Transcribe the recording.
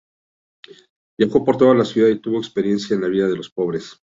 Viajó por toda la ciudad y tuvo experiencia en la vida de los pobres.